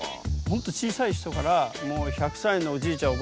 ほんと小さい人からもう１００さいのおじいちゃん